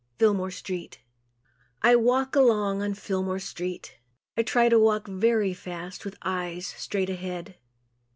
Fillmore Street I walk along on Fillmore street. I try to walk very fast with eyes straight ahead.